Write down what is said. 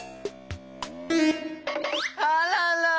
あらら！